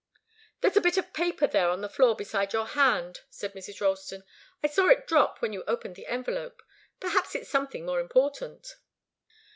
"There's a bit of paper there on the floor, beside your hand," said Mrs. Ralston. "I saw it drop when you opened the envelope. Perhaps it's something more important."